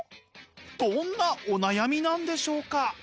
どんなお悩みなんでしょうか？